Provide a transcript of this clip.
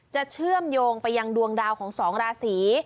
เชื่อมโยงไปยังดวงดาวของสองราศี